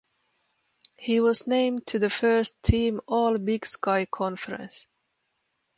He was named to the First Team All-Big Sky Conference.